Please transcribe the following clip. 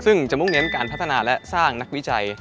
ซึ่งจะมุ่งเน้นการพัฒนาและสร้างนักวิจัย